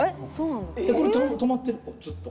これ止まってるずっと。